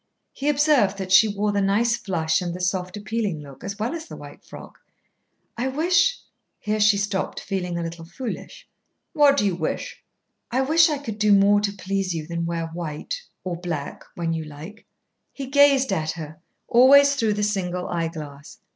He observed that she wore the nice flush and the soft appealing look, as well as the white frock. "I wish " Here she stopped, feeling a little foolish. "What do you wish?" "I wish I could do more to please you than wear white or black when you like." He gazed at her, always through the single eyeglass.